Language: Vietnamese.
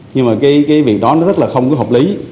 nhưng mà cái việc đó nó rất là không cái hợp lý